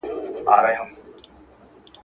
ملي هویت تل تر پښو لاندې شوی.